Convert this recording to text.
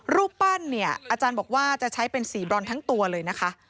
รูปปั้นเนี่ยอาจารย์บอกว่าจะใช้เป็นสีบรอนทั้งตัวเลยนะคะ